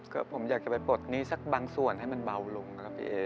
ก็ผมอยากจะไปปลดหนี้สักบางส่วนให้มันเบาลงนะครับพี่เอ